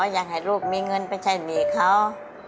อยากให้ลูกมีเงินไปใช้หนี้เขา